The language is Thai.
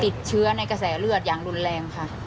ติดเชื้อในกระแสเลือดอย่างรุนแรงค่ะ